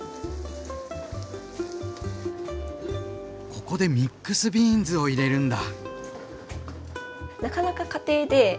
ここでミックスビーンズを入れるんだ！